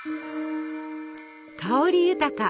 香り豊か！